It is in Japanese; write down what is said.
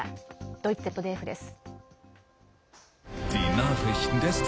ドイツＺＤＦです。